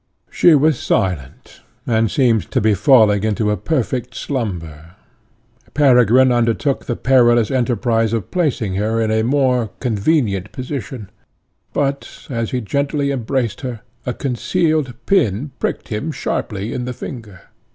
She was silent, and seemed to be falling into a perfect slumber. Peregrine undertook the perilous enterprise of placing her in a more convenient position, but, as he gently embraced her, a concealed pin prickled him sharply in the finger.